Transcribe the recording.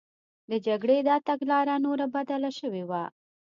د جګړې دا تګلاره نوره بدله شوې وه